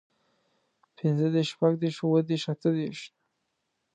پينځهدېرش، شپږدېرش، اووهدېرش، اتهدېرش